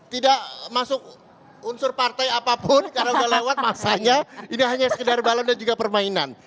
tidak masuk unsur partai apapun karena sudah lewat masanya ini hanya sekedar balon dan juga permainan